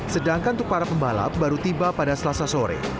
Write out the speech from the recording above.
sedangkan untuk para pembalap baru tiba pada selasa sore